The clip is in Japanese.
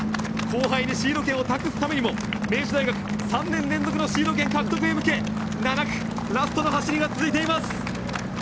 後輩にシード権を託すためにも明治大学３年連続のシード権獲得へ７区ラストの走りが続いています。